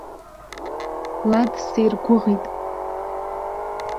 Лад сиргәыӷит.